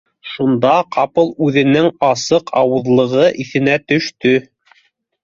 Шунда ҡапыл үҙенең асыҡ ауыҙлығы иҫенә төштө